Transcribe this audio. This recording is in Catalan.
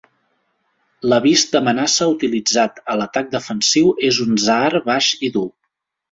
L'avís d'amenaça utilitzat a l'atac defensiu és un zaar baix i dur.